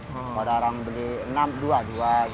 kalau ada orang beli enam dua